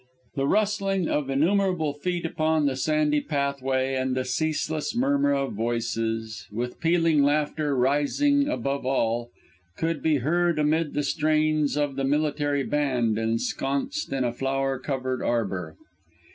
The rustling of innumerable feet upon the sandy pathway and the ceaseless murmur of voices, with pealing laughter rising above all, could be heard amid the strains of the military band ensconced in a flower covered arbour.